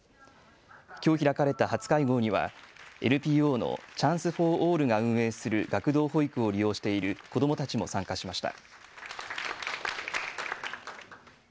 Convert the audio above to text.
きょう開かれた初会合にはＮＰＯのＣｈａｎｃｅＦｏｒＡｌｌが運営する学童保育を利用している子どもたちも参加しました。